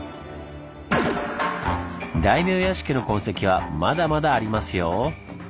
大名屋敷の痕跡はまだまだありますよ！